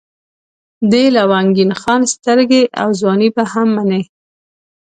د لونګین خان سترګې او ځواني به هم منئ.